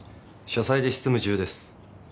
書斎で執務中です。